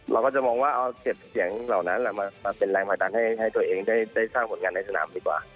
เราก็จะมองว่าเอาเก็บเสียงเหล่านั้นมาเป็นแรงผลักดันให้ตัวเองได้สร้างผลงานในสนามดีกว่า